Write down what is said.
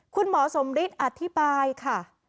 คุณหมอสมฤทธิ์อธิบายค่ะ